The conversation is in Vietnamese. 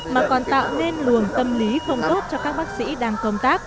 mà còn tạo nên luồng tâm lý không tốt cho các bác sĩ đang công tác